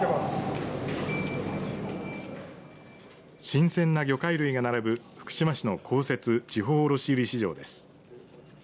新鮮な魚介類が並ぶ福島市の公設地方卸売市場です。